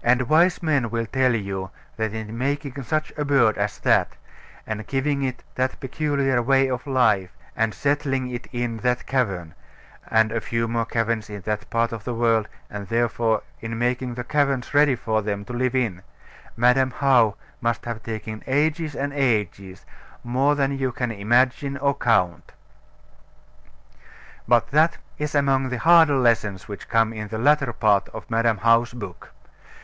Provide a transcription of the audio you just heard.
And wise men will tell you, that in making such a bird as that, and giving it that peculiar way of life, and settling it in that cavern, and a few more caverns in that part of the world, and therefore in making the caverns ready for them to live in, Madam How must have taken ages and ages, more than you can imagine or count. But that is among the harder lessons which come in the latter part of Madam How's book.